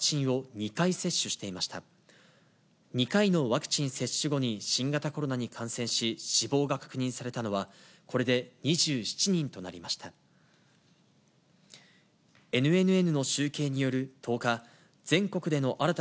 ２回のワクチン接種後に新型コロナに感染し、死亡が確認されたのは、これで２７人となりました。